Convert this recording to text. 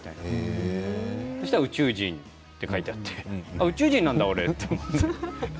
そしたら宇宙人って書いてあって宇宙人なんだ、俺って。